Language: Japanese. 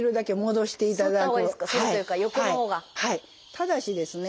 ただしですね